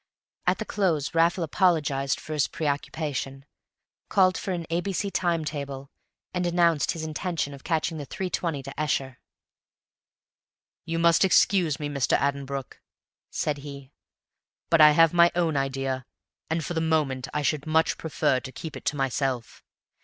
At the close Raffles apologized for his preoccupation, called for an A.B.C. time table, and announced his intention of catching the 3.2 to Esher. "You must excuse me, Mr. Addenbrooke," said he, "but I have my own idea, and for the moment I should much prefer to keep it to myself.